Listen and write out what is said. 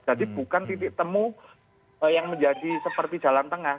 bukan titik temu yang menjadi seperti jalan tengah